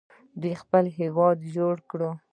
دوی خپل هیواد جوړ کړ.